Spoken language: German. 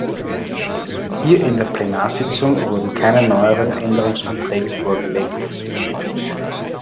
Hier in der Plenarsitzung wurden keine neuen Änderungsanträge vorgelegt.